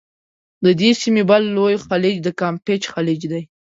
د دې سیمي بل لوی خلیج د کامپېچ خلیج دی.